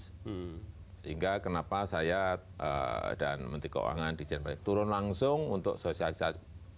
sehingga kenapa saya dan menteri keuangan dijen pajak turun langsung untuk sosialisasi